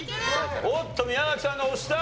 おっと宮崎さんが押した。